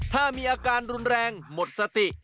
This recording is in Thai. ถ้ามีอาการรุนแรงหมดสติ